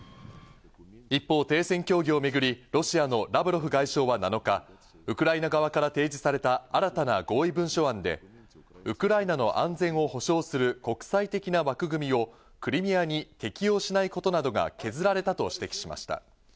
一方、停戦協議をめぐり、ロシアのラブロフ外相は７日、ウクライナ側から提示された新たな合意文書案で、ウクライナの安全を保証する国際的な枠組みをクリミアに適用しないことなどが削られたと指摘しました。